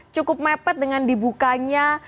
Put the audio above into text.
cukup mepet dengan dibukanya